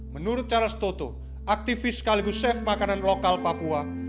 menurut charles toto aktivis sekaligus chef makanan lokal papua